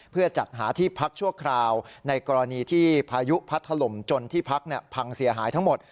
เพื่อจัดหาที่พักชั่วคราวในกรณีที่พายุพัดถล่มจนที่พักพังเสียหายทั้งหมด